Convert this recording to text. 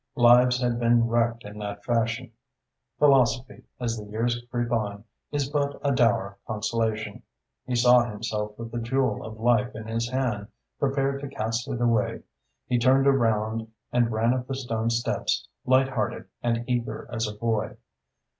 Lives had been wrecked in that fashion. Philosophy, as the years creep on, is but a dour consolation. He saw himself with the jewel of life in his hand, prepared to cast it away. He turned around and ran up the stone steps, light hearted and eager as a boy.